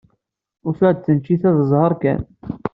Ufiɣ-d taneččit-a d zzheṛ kan.